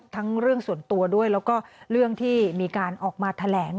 ทั้งเรื่องส่วนตัวด้วยแล้วก็เรื่องที่มีการออกมาแถลง